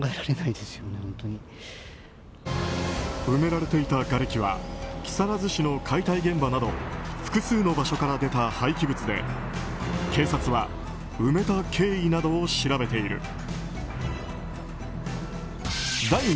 埋められていたがれきは木更津市の解体現場など複数の場所から出た廃棄物で警察は埋めた経緯などを調べている。